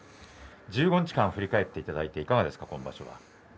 １５日間を振り返っていただいていかがですか？